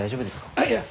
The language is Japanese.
あっいや